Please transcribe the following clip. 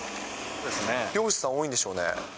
漁師さん多いんでしょうね。